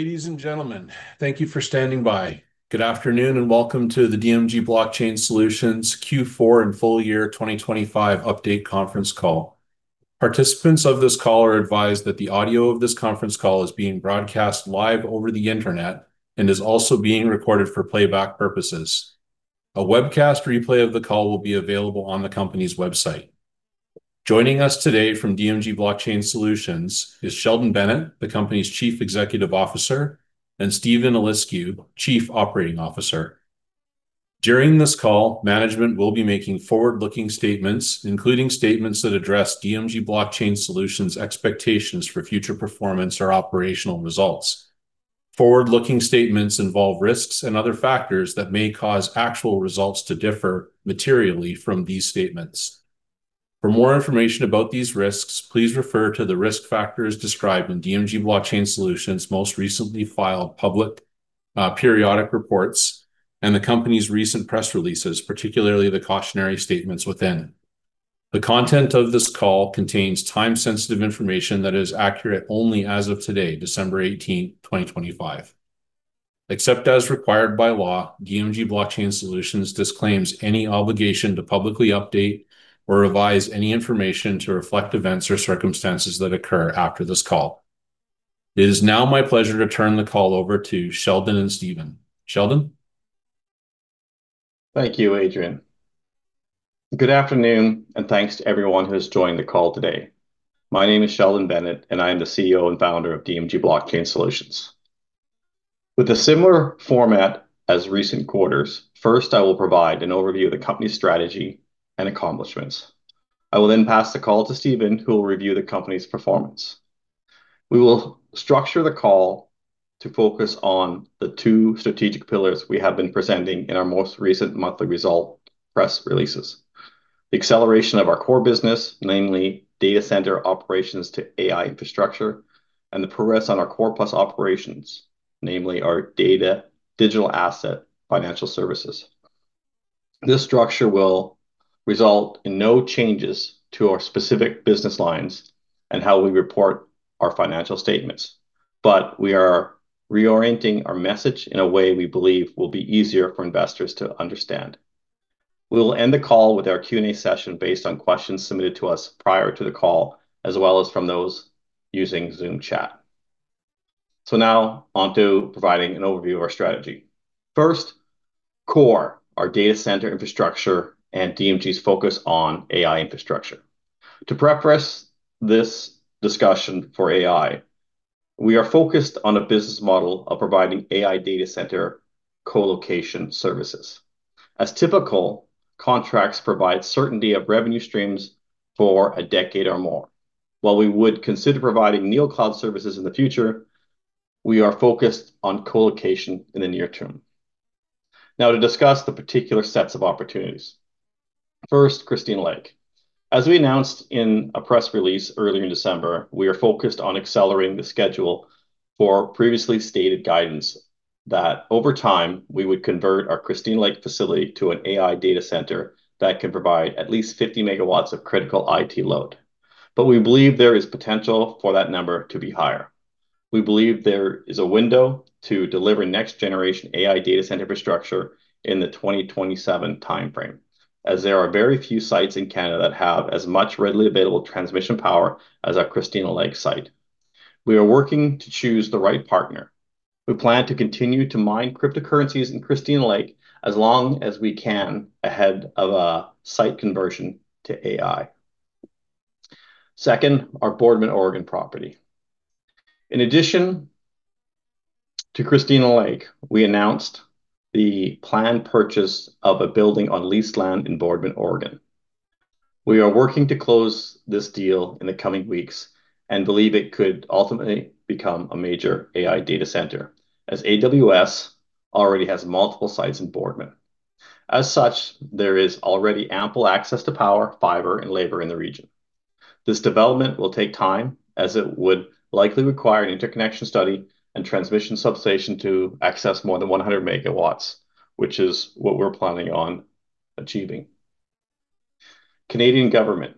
Ladies and gentlemen, thank you for standing by. Good afternoon and welcome to the DMG Blockchain Solutions Q4 and Full Year 2025 Update Conference Call. Participants of this call are advised that the audio of this conference call is being broadcast live over the internet and is also being recorded for playback purposes. A webcast replay of the call will be available on the company's website. Joining us today from DMG Blockchain Solutions is Sheldon Bennett, the company's Chief Executive Officer, and Steven Eliscu, Chief Operating Officer. During this call, management will be making forward-looking statements, including statements that address DMG Blockchain Solutions' expectations for future performance or operational results. Forward-looking statements involve risks and other factors that may cause actual results to differ materially from these statements. For more information about these risks, please refer to the risk factors described in DMG Blockchain Solutions' most recently filed public periodic reports and the company's recent press releases, particularly the cautionary statements within. The content of this call contains time-sensitive information that is accurate only as of today, December 18, 2025. Except as required by law, DMG Blockchain Solutions disclaims any obligation to publicly update or revise any information to reflect events or circumstances that occur after this call. It is now my pleasure to turn the call over to Sheldon and Steven. Sheldon. Thank you, Adrian. Good afternoon and thanks to everyone who has joined the call today. My name is Sheldon Bennett, and I am the CEO and founder of DMG Blockchain Solutions. With a similar format as recent quarters, first, I will provide an overview of the company's strategy and accomplishments. I will then pass the call to Steven, who will review the company's performance. We will structure the call to focus on the two strategic pillars we have been presenting in our most recent monthly result press releases: the acceleration of our core business, namely data center operations to AI infrastructure, and the progress on our core plus operations, namely our data digital asset financial services. This structure will result in no changes to our specific business lines and how we report our financial statements, but we are reorienting our message in a way we believe will be easier for investors to understand. We will end the call with our Q&A session based on questions submitted to us prior to the call, as well as from those using Zoom chat. So now on to providing an overview of our strategy. First, core, our data center infrastructure and DMG's focus on AI infrastructure. To prepare this discussion for AI, we are focused on a business model of providing AI data center colocation services. As typical, contracts provide certainty of revenue streams for a decade or more. While we would consider providing NeoCloud services in the future, we are focused on colocation in the near term. Now to discuss the particular sets of opportunities. First, Christina Lake. As we announced in a press release earlier in December, we are focused on accelerating the schedule for previously stated guidance that over time we would convert our Christina Lake facility to an AI data center that can provide at least 50 MW of critical IT load. But we believe there is potential for that number to be higher. We believe there is a window to deliver next generation AI data center infrastructure in the 2027 timeframe, as there are very few sites in Canada that have as much readily available transmission power as our Christina Lake site. We are working to choose the right partner. We plan to continue to mine cryptocurrencies in Christina Lake as long as we can ahead of a site conversion to AI. Second, our Boardman, Oregon property. In addition to Christina Lake, we announced the planned purchase of a building on leased land in Boardman, Oregon. We are working to close this deal in the coming weeks and believe it could ultimately become a major AI data center, as AWS already has multiple sites in Boardman. As such, there is already ample access to power, fiber, and labor in the region. This development will take time, as it would likely require an interconnection study and transmission substation to access more than 100 MW, which is what we're planning on achieving. Canadian government.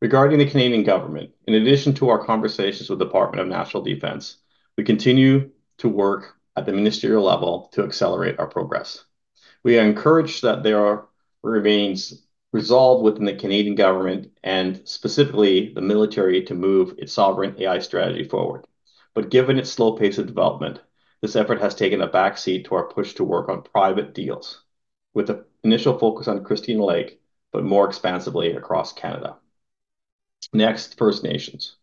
Regarding the Canadian government, in addition to our conversations with the Department of National Defence, we continue to work at the ministerial level to accelerate our progress. We are encouraged that there remains resolve within the Canadian government and specifically the military to move its sovereign AI strategy forward. But given its slow pace of development, this effort has taken a backseat to our push to work on private deals with the initial focus on Christina Lake, but more expansively across Canada. Next, First Nations.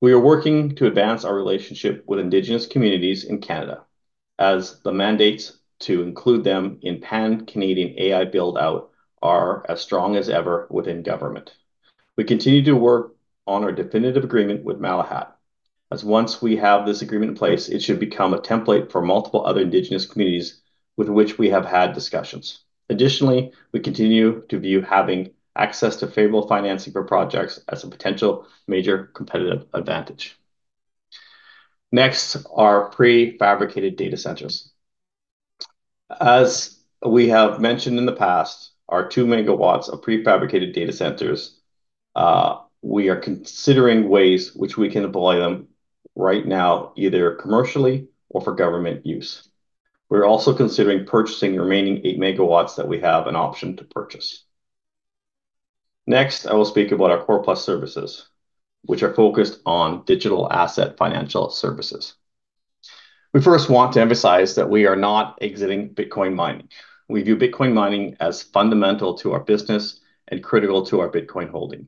We are working to advance our relationship with Indigenous communities in Canada, as the mandates to include them in Pan-Canadian AI build-out are as strong as ever within government. We continue to work on our definitive agreement with Malahat. As once we have this agreement in place, it should become a template for multiple other Indigenous communities with which we have had discussions. Additionally, we continue to view having access to favorable financing for projects as a potential major competitive advantage. Next are prefabricated data centers. As we have mentioned in the past, our 2 MW of prefabricated data centers, we are considering ways which we can deploy them right now, either commercially or for government use. We're also considering purchasing the remaining 8 MW that we have an option to purchase. Next, I will speak about our Core+ services, which are focused on digital asset financial services. We first want to emphasize that we are not exiting Bitcoin mining. We view Bitcoin mining as fundamental to our business and critical to our Bitcoin holding.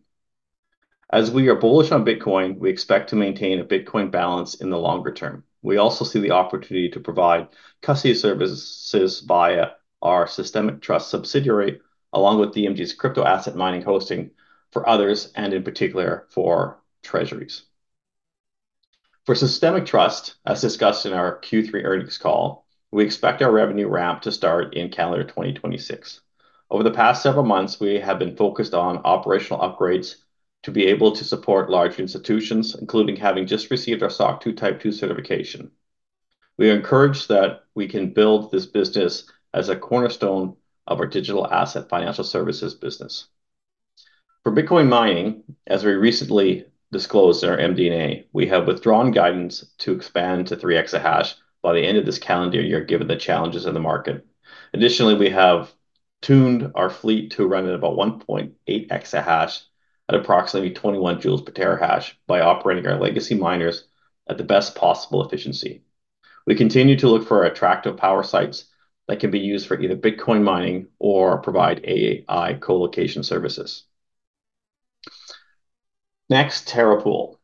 As we are bullish on Bitcoin, we expect to maintain a Bitcoin balance in the longer term. We also see the opportunity to provide custody services via our Systemic Trust subsidiary, along with DMG's crypto asset mining hosting for others, and in particular for treasuries. For Systemic Trust, as discussed in our Q3 earnings call, we expect our revenue ramp to start in calendar 2026. Over the past several months, we have been focused on operational upgrades to be able to support large institutions, including having just received our SOC 2 Type 2 certification. We are encouraged that we can build this business as a cornerstone of our digital asset financial services business. For Bitcoin mining, as we recently disclosed in our MD&A, we have withdrawn guidance to expand to 3 EH/s by the end of this calendar year, given the challenges in the market. Additionally, we have tuned our fleet to run at about 1.8 EH/s at approximately 21 joules per terahash by operating our legacy miners at the best possible efficiency. We continue to look for attractive power sites that can be used for either Bitcoin mining or provide AI colocation services. Next, Terra Pool.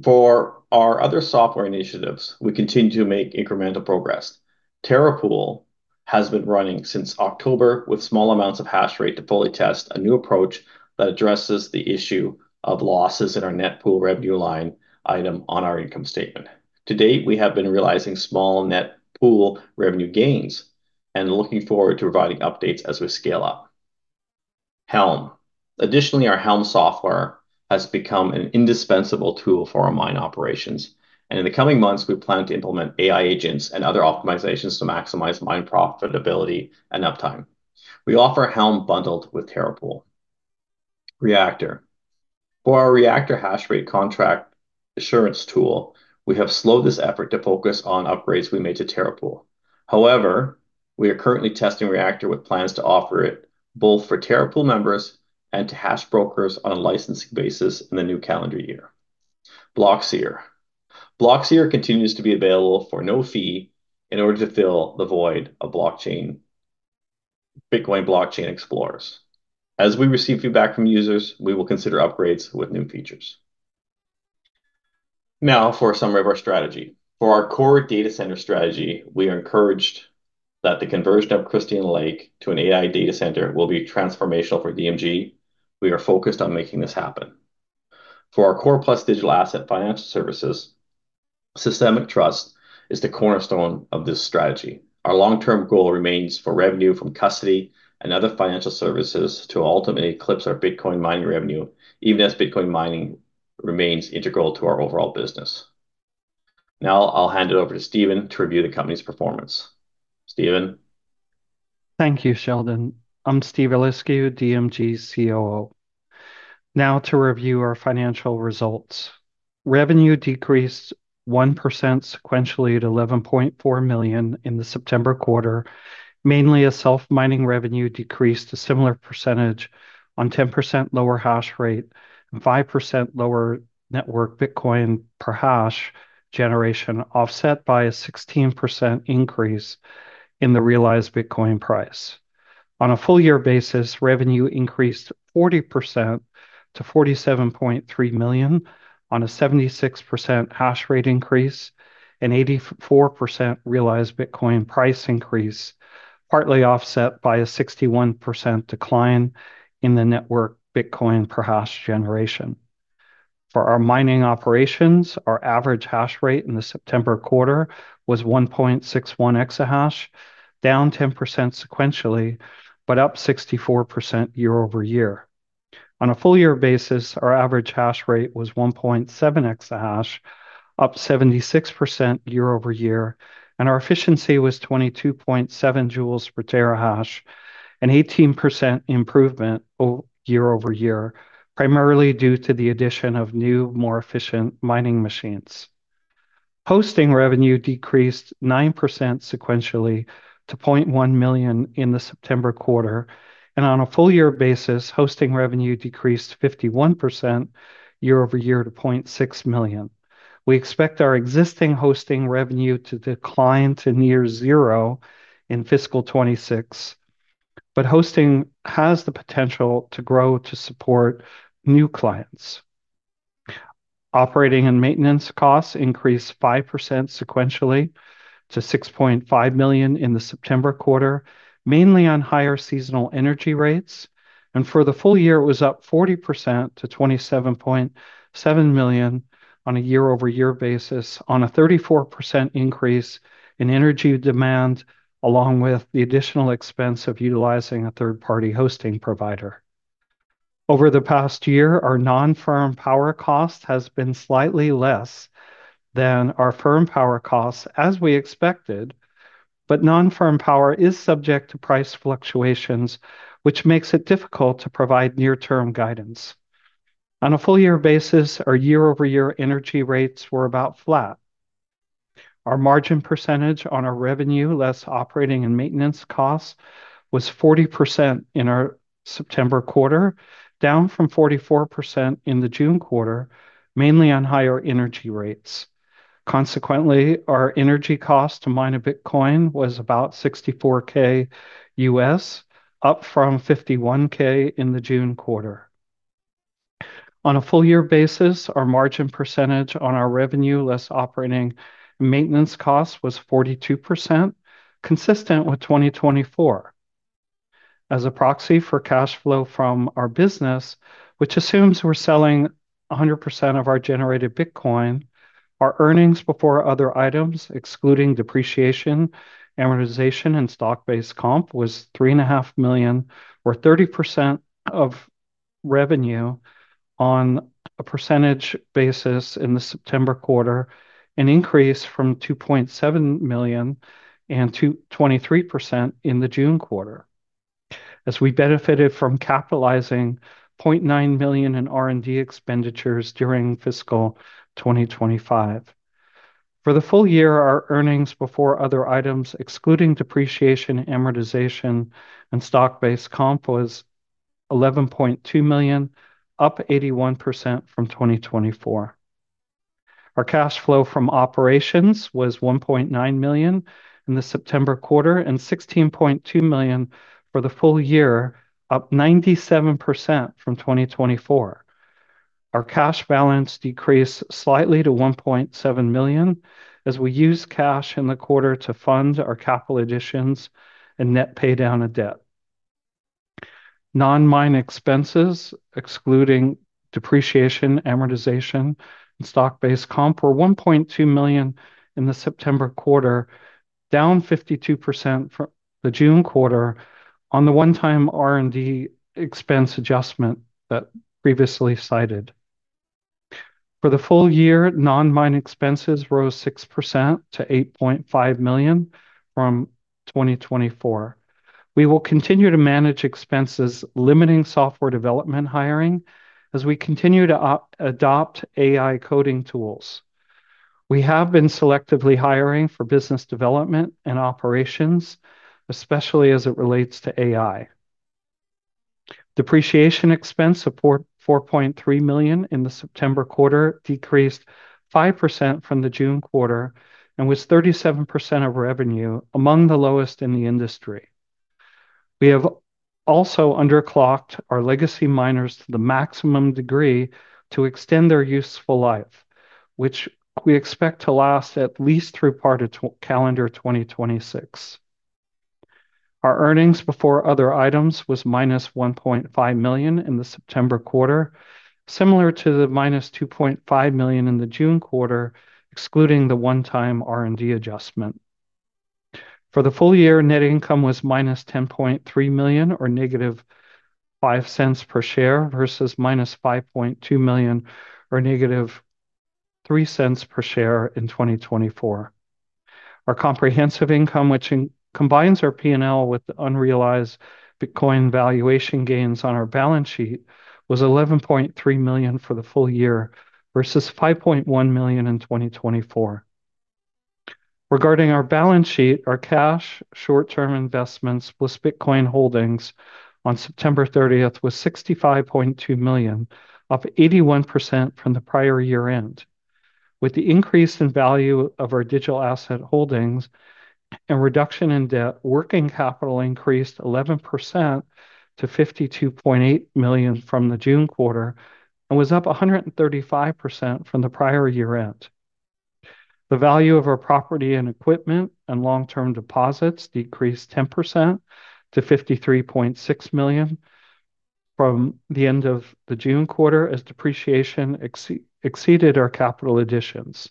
For our other software initiatives, we continue to make incremental progress. Terra Pool has been running since October with small amounts of hash rate to fully test a new approach that addresses the issue of losses in our net pool revenue line item on our income statement. To date, we have been realizing small net pool revenue gains and looking forward to providing updates as we scale up. Helm. Additionally, our Helm software has become an indispensable tool for our mine operations. And in the coming months, we plan to implement AI agents and other optimizations to maximize mine profitability and uptime. We offer Helm bundled with Terra Pool. Reactor. For our Reactor hash rate contract assurance tool, we have slowed this effort to focus on upgrades we made to Terra Pool. However, we are currently testing Reactor with plans to offer it both for Terra Pool members and to hash brokers on a licensing basis in the new calendar year. Blockseer. Blockseer continues to be available for no fee in order to fill the void of Bitcoin blockchain explorers. As we receive feedback from users, we will consider upgrades with new features. Now for a summary of our strategy. For our core data center strategy, we are encouraged that the conversion of Christina Lake to an AI data center will be transformational for DMG. We are focused on making this happen. For our Core+ digital asset financial services, Systemic Trust is the cornerstone of this strategy. Our long-term goal remains for revenue from custody and other financial services to ultimately eclipse our Bitcoin mining revenue, even as Bitcoin mining remains integral to our overall business. Now I'll hand it over to Steven to review the company's performance. Steven. Thank you, Sheldon. I'm Steve Eliscu, DMG COO. Now to review our financial results. Revenue decreased 1% sequentially to 11.4 million in the September quarter, mainly as self-mining revenue decreased a similar percentage on 10% lower hash rate and 5% lower network Bitcoin per hash generation, offset by a 16% increase in the realized Bitcoin price. On a full year basis, revenue increased 40% to 47.3 million on a 76% hash rate increase and 84% realized Bitcoin price increase, partly offset by a 61% decline in the network Bitcoin per hash generation. For our mining operations, our average hash rate in the September quarter was 1.61 exahash, down 10% sequentially, but up 64% year-over-year. On a full year basis, our average hash rate was 1.7 exahash, up 76%-year-over year, and our efficiency was 22.7 joules per terahash, an 18% improvement year-over-year, primarily due to the addition of new, more efficient mining machines. Hosting revenue decreased 9% sequentially to 0.1 million in the September quarter, and on a full year basis, hosting revenue decreased 51% year-over-year to 0.6 million. We expect our existing hosting revenue to decline to near zero in fiscal 2026, but hosting has the potential to grow to support new clients. Operating and maintenance costs increased 5% sequentially to 6.5 million in the September quarter, mainly on higher seasonal energy rates, and for the full year, it was up 40% to 27.7 million on a year-over-year basis, on a 34% increase in energy demand, along with the additional expense of utilizing a third-party hosting provider. Over the past year, our non-firm power cost has been slightly less than our firm power costs, as we expected, but non-firm power is subject to price fluctuations, which makes it difficult to provide near-term guidance. On a full year basis, our year-over-year energy rates were about flat. Our margin percentage on our revenue, less operating and maintenance costs, was 40% in our September quarter, down from 44% in the June quarter, mainly on higher energy rates. Consequently, our energy cost to mine a Bitcoin was about $64,000, up from $51,000 in the June quarter. On a full year basis, our margin percentage on our revenue, less operating and maintenance costs, was 42%, consistent with 2024. As a proxy for cash flow from our business, which assumes we're selling 100% of our generated Bitcoin, our earnings before other items, excluding depreciation, amortization, and stock-based comp, was 3.5 million, or 30% of revenue on a percentage basis in the September quarter, an increase from 2.7 million and 23% in the June quarter, as we benefited from capitalizing 0.9 million in R&D expenditures during fiscal 2025. For the full year, our earnings before other items, excluding depreciation, amortization, and stock-based comp, was 11.2 million, up 81% from 2024. Our cash flow from operations was 1.9 million in the September quarter and 16.2 million for the full year, up 97% from 2024. Our cash balance decreased slightly to 1.7 million as we used cash in the quarter to fund our capital additions and net pay down of debt. Non-mine expenses, excluding depreciation, amortization, and stock-based comp, were 1.2 million in the September quarter, down 52% from the June quarter on the one-time R&D expense adjustment that previously cited. For the full year, non-mine expenses rose 6% to 8.5 million from 2024. We will continue to manage expenses, limiting software development hiring as we continue to adopt AI coding tools. We have been selectively hiring for business development and operations, especially as it relates to AI. Depreciation expense support, 4.3 million in the September quarter, decreased 5% from the June quarter and was 37% of revenue, among the lowest in the industry. We have also underclocked our legacy miners to the maximum degree to extend their useful life, which we expect to last at least through part of calendar 2026. Our earnings before other items was -1.5 million in the September quarter, similar to the -2.5 million in the June quarter, excluding the one-time R&D adjustment. For the full year, net income was -10.3 million, or -0.05 per share, versus -5.2 million, or -0.03 per share in 2024. Our comprehensive income, which combines our P&L with the unrealized Bitcoin valuation gains on our balance sheet, was 11.3 million for the full year, versus 5.1 million in 2024. Regarding our balance sheet, our cash short-term investments with Bitcoin holdings on September 30th was 65.2 million, up 81% from the prior year-end. With the increase in value of our digital asset holdings and reduction in debt, working capital increased 11% to 52.8 million from the June quarter and was up 135% from the prior year-end. The value of our property and equipment and long-term deposits decreased 10% to 53.6 million from the end of the June quarter as depreciation exceeded our capital additions.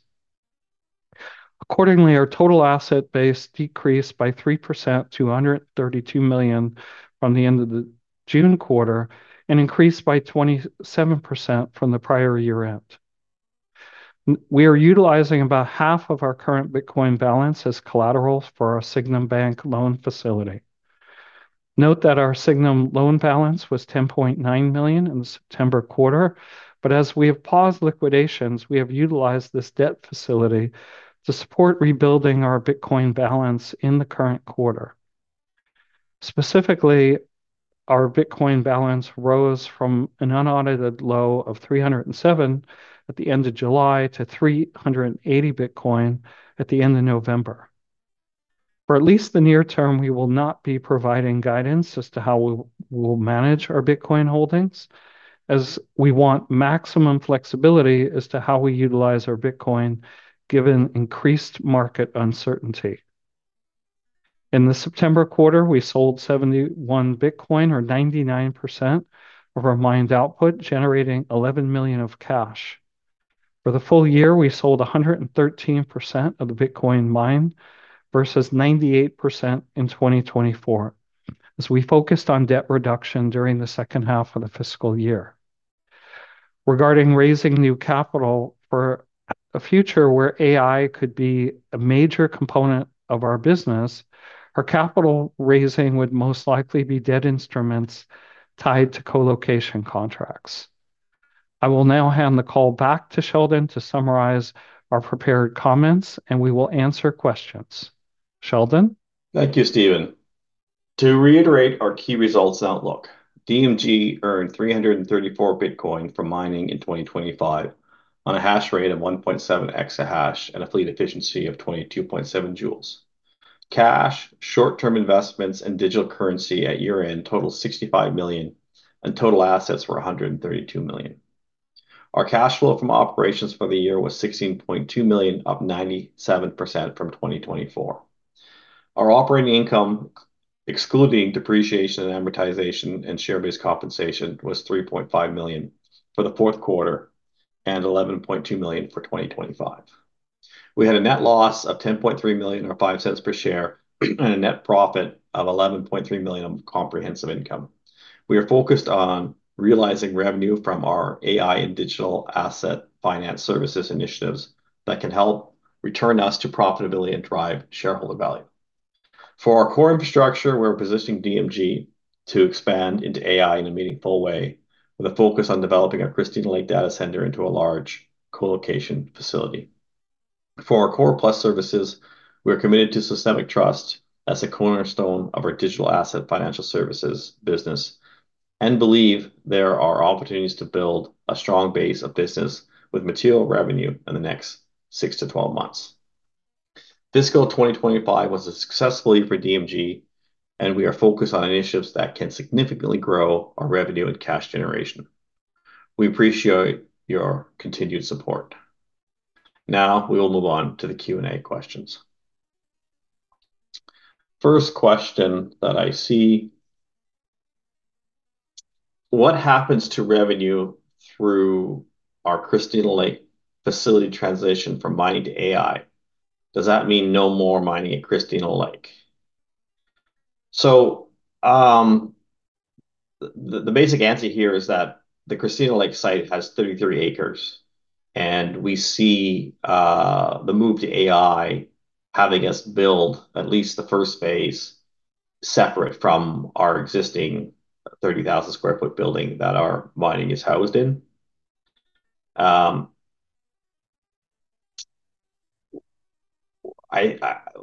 Accordingly, our total asset base decreased by 3% to 132 million from the end of the June quarter and increased by 27% from the prior year-end. We are utilizing about half of our current Bitcoin balance as collateral for our Sygnum Bank loan facility. Note that our Sygnum loan balance was 10.9 million in the September quarter, but as we have paused liquidations, we have utilized this debt facility to support rebuilding our Bitcoin balance in the current quarter. Specifically, our Bitcoin balance rose from an unaudited low of 307 at the end of July to 380 Bitcoin at the end of November. For at least the near term, we will not be providing guidance as to how we will manage our Bitcoin holdings, as we want maximum flexibility as to how we utilize our Bitcoin given increased market uncertainty. In the September quarter, we sold 71 Bitcoin, or 99% of our mined output, generating 11 million of cash. For the full year, we sold 113% of the Bitcoin mined versus 98% in 2024, as we focused on debt reduction during the second half of the fiscal year. Regarding raising new capital for a future where AI could be a major component of our business, our capital raising would most likely be debt instruments tied to colocation contracts. I will now hand the call back to Sheldon to summarize our prepared comments, and we will answer questions. Sheldon. Thank you, Steven. To reiterate our key results outlook, DMG earned 334 Bitcoin from mining in 2025 on a hash rate of 1.7 exahash and a fleet efficiency of 22.7 joules. Cash, short-term investments, and digital currency at year-end totaled 65 million, and total assets were 132 million. Our cash flow from operations for the year was 16.2 million, up 97% from 2024. Our operating income, excluding depreciation and amortization and share-based compensation, was 3.5 million for the fourth quarter and 11.2 million for 2025. We had a net loss of 10.3 million or 0.05 per share and a net profit of 11.3 million of comprehensive income. We are focused on realizing revenue from our AI and digital asset finance services initiatives that can help return us to profitability and drive shareholder value. For our core infrastructure, we're positioning DMG to expand into AI in a meaningful way, with a focus on developing a Christina Lake data center into a large colocation facility. For our Core+ services, we are committed to Systemic Trust as a cornerstone of our digital asset financial services business and believe there are opportunities to build a strong base of business with material revenue in the next six to 12 months. Fiscal 2025 was a successful leap for DMG, and we are focused on initiatives that can significantly grow our revenue and cash generation. We appreciate your continued support. Now we will move on to the Q&A questions. First question that I see. What happens to revenue through our Christina Lake facility translation from mining to AI? Does that mean no more mining at Christina Lake? So. The basic answer here is that the Christina Lake site has 33 acres, and we see the move to AI having us build at least the first phase separate from our existing 30,000 sq ft building that our mining is housed in.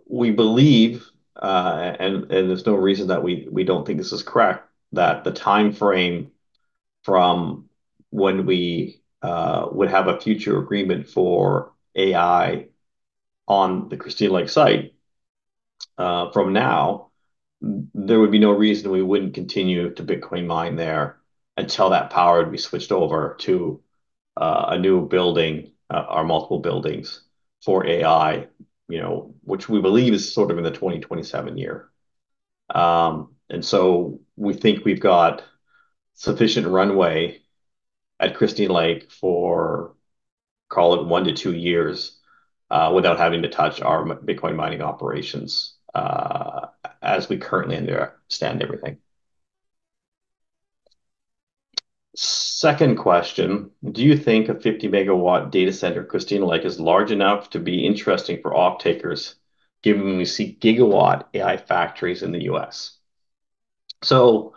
We believe, and there's no reason that we don't think this is correct, that the timeframe from when we would have a future agreement for AI on the Christina Lake site from now, there would be no reason we wouldn't continue to Bitcoin mine there until that power would be switched over to a new building or multiple buildings for AI, which we believe is sort of in the 2027 year. And so we think we've got sufficient runway at Christina Lake for, call it one to two years, without having to touch our Bitcoin mining operations as we currently understand everything. Second question. Do you think a 50 MW data center at Christina Lake is large enough to be interesting for off-takers, given we see gigawatt AI factories in the U.S.? So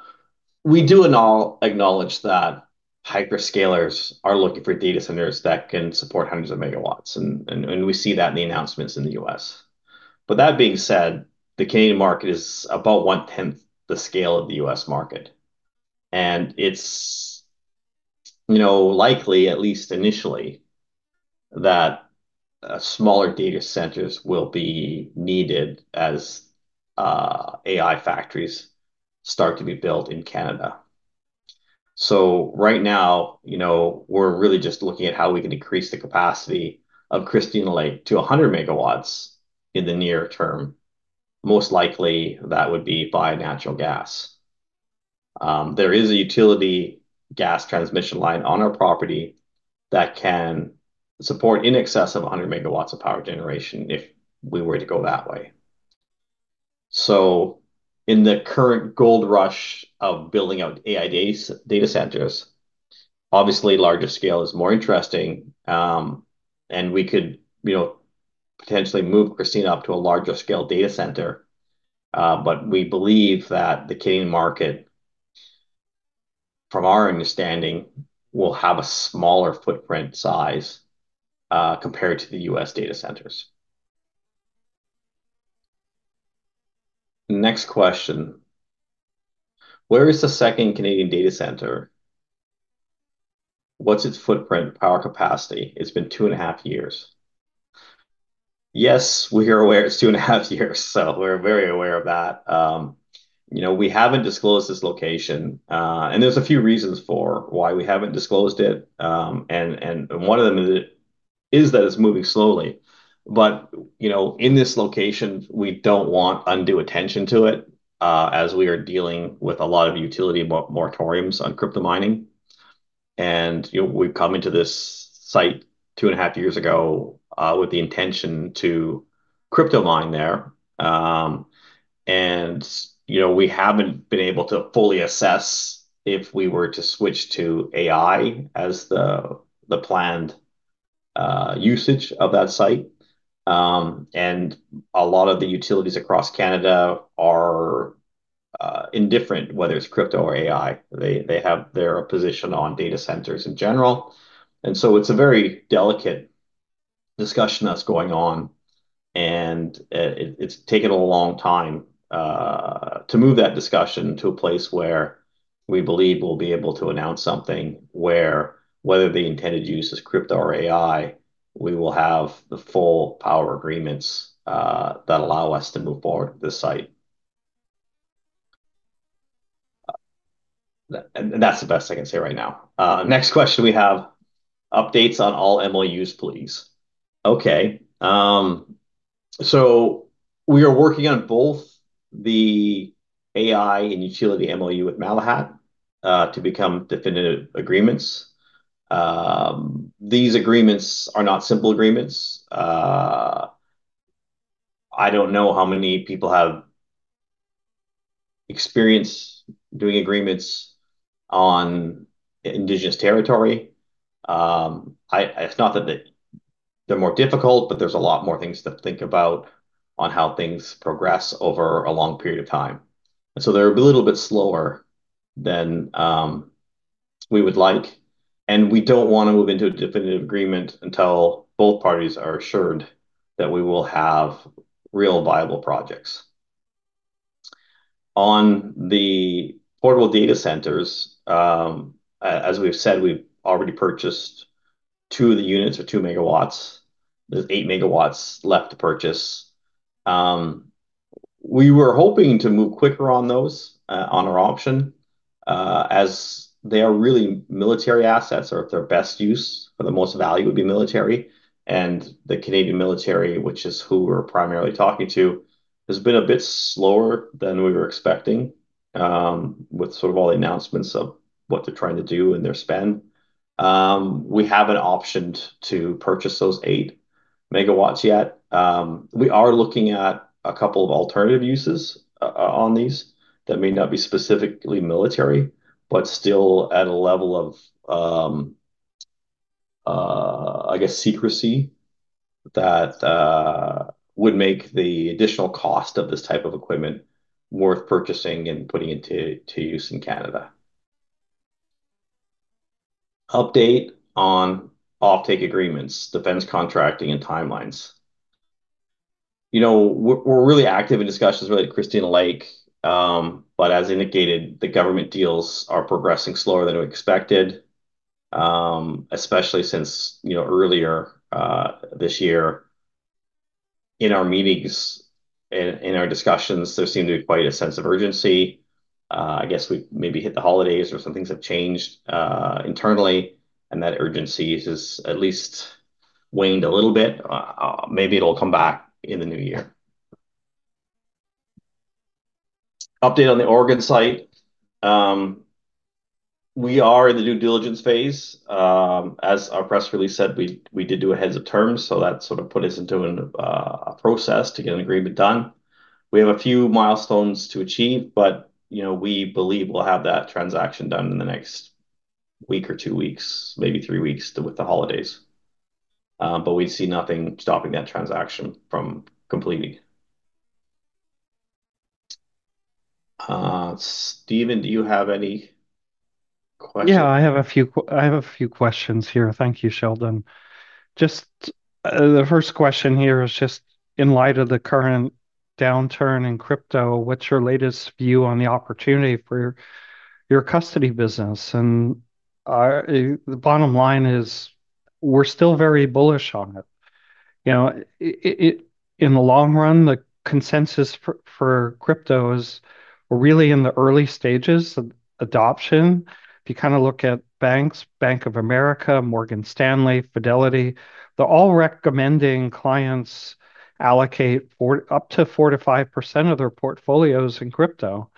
we do acknowledge that hyperscalers are looking for data centers that can support hundreds of megawatts, and we see that in the announcements in the U.S. But that being said, the Canadian market is about one-tenth the scale of the U.S. market. And it's likely, at least initially, that smaller data centers will be needed as AI factories start to be built in Canada. So right now, we're really just looking at how we can increase the capacity of Christina Lake to 100 MW in the near term. Most likely, that would be by natural gas. There is a utility gas transmission line on our property that can support in excess of 100 MW of power generation if we were to go that way. So in the current gold rush of building out AI data centers, obviously, larger scale is more interesting, and we could potentially move Christina up to a larger scale data center. But we believe that the Canadian market, from our understanding, will have a smaller footprint size compared to the U.S. data centers. Next question. Where is the second Canadian data center? What's its footprint power capacity? It's been two and a half years. Yes, we're aware it's two and a half years, so we're very aware of that. We haven't disclosed this location, and there's a few reasons for why we haven't disclosed it. And one of them is that it's moving slowly. But in this location, we don't want undue attention to it as we are dealing with a lot of utility moratoriums on crypto mining. And we've come into this site two and a half years ago with the intention to crypto mine there. And we haven't been able to fully assess if we were to switch to AI as the planned usage of that site. And a lot of the utilities across Canada are indifferent, whether it's crypto or AI. They have their position on data centers in general. And so it's a very delicate discussion that's going on, and it's taken a long time to move that discussion to a place where we believe we'll be able to announce something where, whether the intended use is crypto or AI, we will have the full power agreements that allow us to move forward with this site. And that's the best I can say right now. Next question we have. Updates on all MOUs, please. Okay. So we are working on both the AI and utility MOU with Malahat to become definitive agreements. These agreements are not simple agreements. I don't know how many people have experience doing agreements on Indigenous territory. It's not that they're more difficult, but there's a lot more things to think about on how things progress over a long period of time. And so they're a little bit slower than we would like. And we don't want to move into a definitive agreement until both parties are assured that we will have real viable projects. On the portable data centers, as we've said, we've already purchased two of the units at 2 MW. There's 8 MW left to purchase. We were hoping to move quicker on those on our option as they are really military assets, or if their best use for the most value would be military, and the Canadian military, which is who we're primarily talking to, has been a bit slower than we were expecting with sort of all the announcements of what they're trying to do and their spend. We haven't optioned to purchase those 8 MW yet. We are looking at a couple of alternative uses on these that may not be specifically military, but still at a level of, I guess, secrecy that would make the additional cost of this type of equipment worth purchasing and putting into use in Canada. Update on off-take agreements, defense contracting, and timelines. We're really active in discussions related to Christina Lake, but as indicated, the government deals are progressing slower than we expected, especially since earlier this year. In our meetings and in our discussions, there seemed to be quite a sense of urgency. I guess we maybe hit the holidays or some things have changed internally, and that urgency has at least waned a little bit. Maybe it'll come back in the new year. Update on the Oregon site. We are in the due diligence phase. As our press release said, we did do heads of terms, so that sort of put us into a process to get an agreement done. We have a few milestones to achieve, but we believe we'll have that transaction done in the next week or two weeks, maybe three weeks with the holidays. But we see nothing stopping that transaction from completing. Steven, do you have any questions? Yeah, I have a few questions here. Thank you, Sheldon. Just the first question here is just in light of the current downturn in crypto, what's your latest view on the opportunity for your custody business? And the bottom line is we're still very bullish on it. In the long run, the consensus for crypto is we're really in the early stages of adoption. If you kind of look at banks, Bank of America, Morgan Stanley, Fidelity, they're all recommending clients allocate up to 4%-5% of their portfolios in crypto.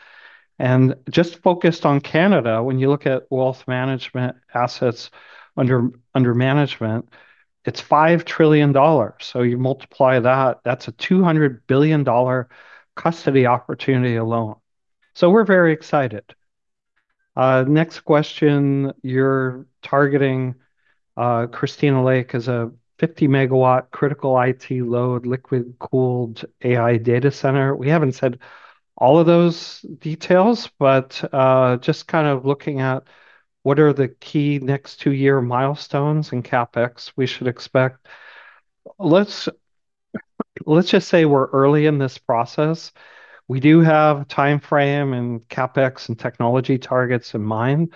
And just focused on Canada, when you look at wealth management assets under management, it's $5 trillion. So you multiply that, that's a $200 billion custody opportunity alone. So we're very excited. Next question, you're targeting Christina Lake as a 50 MW critical IT load liquid-cooled AI data center. We haven't said all of those details, but just kind of looking at what are the key next two-year milestones and CapEx we should expect. Let's just say we're early in this process. We do have timeframe and CapEx and technology targets in mind,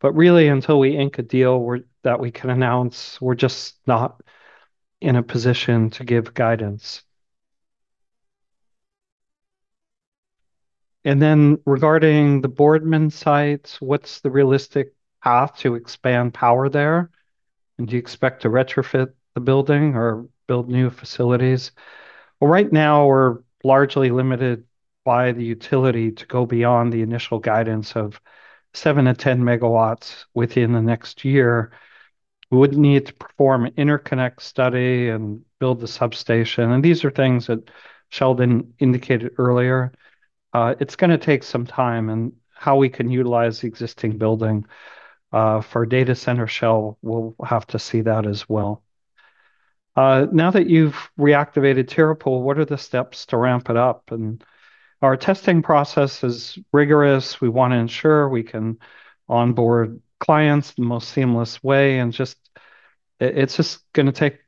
but really until we ink a deal that we can announce, we're just not in a position to give guidance. And then regarding the Boardman sites, what's the realistic path to expand power there? And do you expect to retrofit the building or build new facilities? Well, right now, we're largely limited by the utility to go beyond the initial guidance of 7 MW-10 MW within the next year. We would need to perform an interconnection study and build the substation. And these are things that Sheldon indicated earlier. It's going to take some time. And how we can utilize the existing building for data center shell will have to see that as well. Now that you've reactivated Terra Pool, what are the steps to ramp it up? And our testing process is rigorous. We want to ensure we can onboard clients the most seamless way. And it's just going to take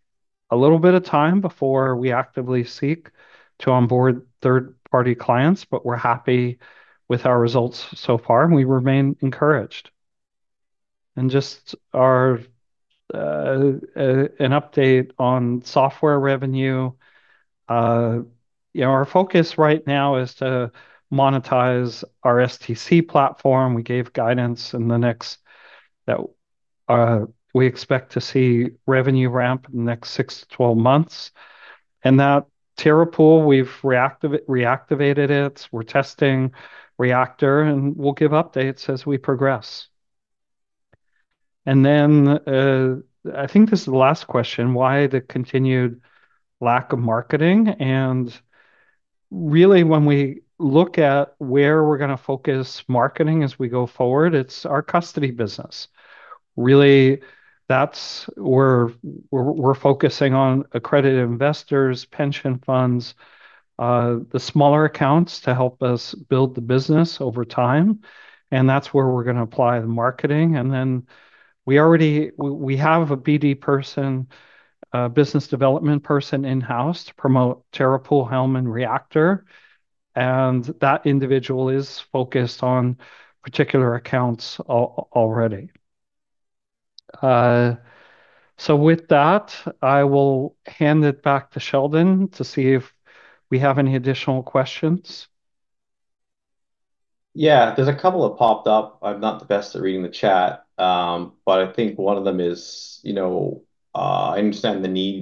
a little bit of time before we actively seek to onboard third-party clients, but we're happy with our results so far, and we remain encouraged. And just an update on software revenue. Our focus right now is to monetize our STC platform. We gave guidance in the next that we expect to see revenue ramp in the next six to 12 months. And that Terra Pool, we've reactivated it. We're testing Reactor, and we'll give updates as we progress. And then I think this is the last question. Why the continued lack of marketing? And really, when we look at where we're going to focus marketing as we go forward, it's our custody business. Really, that's where we're focusing on accredited investors, pension funds, the smaller accounts to help us build the business over time. And that's where we're going to apply the marketing. And then we have a BD person, a business development person in-house to promote Terra Pool, Helm, and Reactor. And that individual is focused on particular accounts already. So with that, I will hand it back to Sheldon to see if we have any additional questions. Yeah, there's a couple that popped up. I'm not the best at reading the chat, but I think one of them is I understand the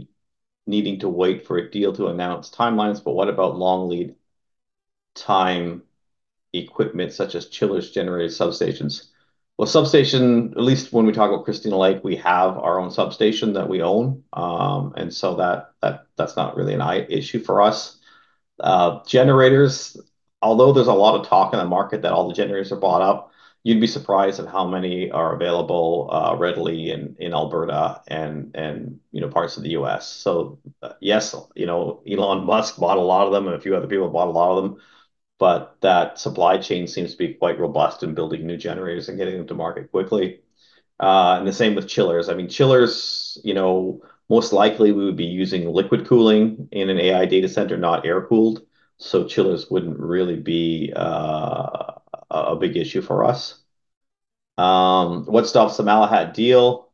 needing to wait for a deal to announce timelines, but what about long lead time equipment such as chillers, generators, substations? Well, substation, at least when we talk about Christina Lake, we have our own substation that we own, and so that's not really an issue for us. Generators, although there's a lot of talk in the market that all the generators are bought up, you'd be surprised at how many are available readily in Alberta and parts of the U.S., so yes, Elon Musk bought a lot of them, and a few other people bought a lot of them, but that supply chain seems to be quite robust in building new generators and getting them to market quickly, and the same with chillers. I mean, chillers, most likely we would be using liquid cooling in an AI data center, not air-cooled. So chillers wouldn't really be a big issue for us. What stops the Malahat deal?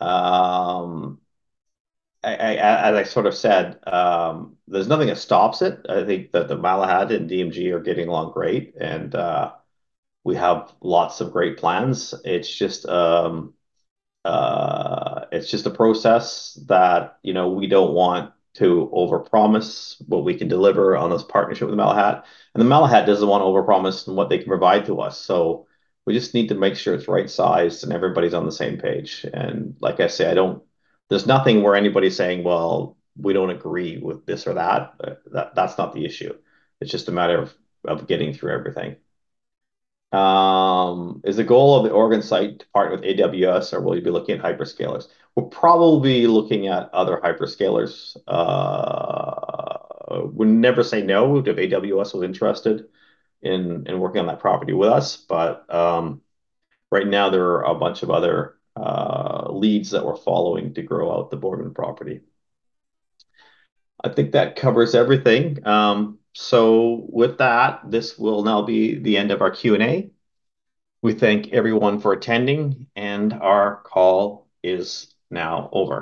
As I sort of said, there's nothing that stops it. I think that the Malahat and DMG are getting along great, and we have lots of great plans. It's just a process that we don't want to overpromise what we can deliver on this partnership with the Malahat. And the Malahat doesn't want to overpromise on what they can provide to us. So we just need to make sure it's right sized and everybody's on the same page. And like I say, there's nothing where anybody's saying, "Well, we don't agree with this or that." That's not the issue. It's just a matter of getting through everything. Is the goal of the Oregon site to partner with AWS, or will you be looking at hyperscalers? We're probably looking at other hyperscalers. We'd never say no if AWS was interested in working on that property with us. But right now, there are a bunch of other leads that we're following to grow out the Boardman property. I think that covers everything. So with that, this will now be the end of our Q&A. We thank everyone for attending, and our call is now over.